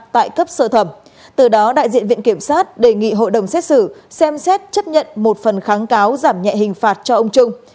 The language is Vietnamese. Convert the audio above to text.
từ đó đại diện viện kiểm sát đề nghị hội đồng xét xử xem xét chấp nhận một phần kháng cáo giảm nhẹ hình phạt cho ông trung